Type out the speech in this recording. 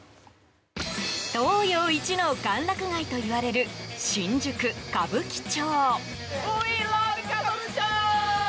東洋一の歓楽街といわれる新宿・歌舞伎町。